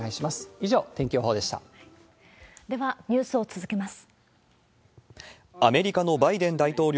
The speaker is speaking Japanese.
以上、では、ニュースを続けます。